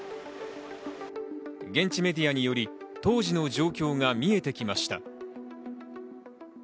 現地メディアにより当時の状況が見えてきました。